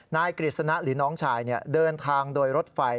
กฤษณะหรือน้องชายเดินทางโดยรถไฟ